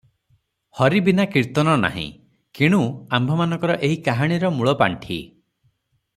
'ହରି ବିନା କୀର୍ତ୍ତନ ନାହିଁ ।' କିଣୁ ଆମ୍ଭମାନଙ୍କର ଏହି କାହାଣୀର ମୂଳ ପାଣ୍ଠି ।